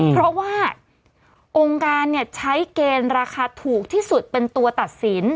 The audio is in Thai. เพราะว่าองค์การใช้เกณฑ์ราคาถูกที่สุดเป็นตัวตัดสิน